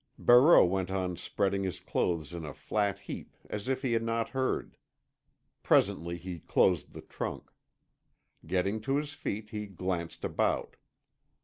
Barreau went on spreading his clothes in a flat heap as if he had not heard. Presently he closed the trunk. Getting to his feet he glanced about.